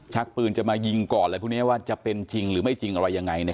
ปืนจะมายิงก่อนอะไรพวกนี้ว่าจะเป็นจริงหรือไม่จริงอะไรยังไงเนี่ย